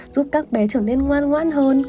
giúp các bé trở nên ngoan ngoãn hơn